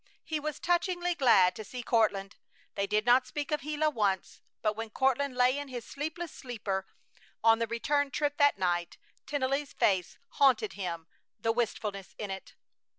He was touchingly glad to see Courtland. They did not speak of Gila once, but when Courtland lay in his sleepless sleeper on the return trip that night Tennelly's face haunted him, the wistfulness in it.